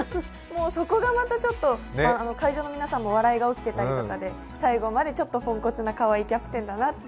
そこがまたちょっと会場の皆さんからも笑いが起きたりとかで、最後までちょっとポンコツな、かわいいキャプテンだなって